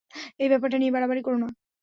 এই ব্যাপারটা নিয়ে বাড়াবাড়ি করো না।